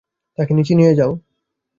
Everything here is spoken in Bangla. তাকে নিচে নিয়ে যাও।